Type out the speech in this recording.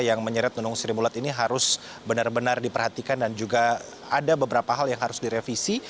yang menyeret nunung sri mulat ini harus benar benar diperhatikan dan juga ada beberapa hal yang harus direvisi